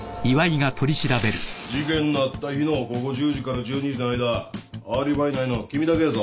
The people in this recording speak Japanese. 事件のあった日の午後１０時から１２時の間アリバイないのは君だけやぞ。